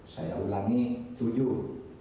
saya ulangi tujuh